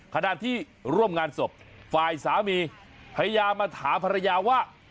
ขนาดที่ร่วมงานศพฟายสามีพญามาถามภรรยาว่า